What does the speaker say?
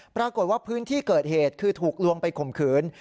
ปรากฏว่าพื้นที่เกิดเหตุคือถูกลวงไปข่มขืน